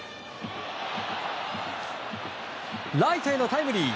ライトへのタイムリー！